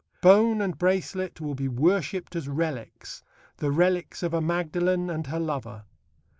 Bone and bracelet will be worshipped as relics the relics of a Magdalen and her lover.